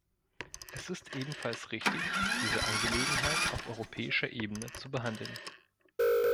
Es ist ebenfalls richtig, diese Angelegenheit auf europäischer Ebene zu behandeln.